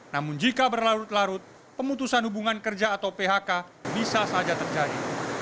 namun jika berlarut larut pemutusan hubungan kerja atau phk bisa saja terjadi